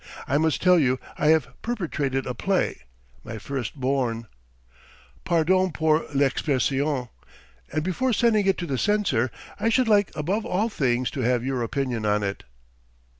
I must tell you I have perpetrated a play, my first born pardon pour l'expression! and before sending it to the Censor I should like above all things to have your opinion on it."